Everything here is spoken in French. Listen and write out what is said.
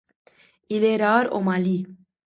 Il est rare au Mali.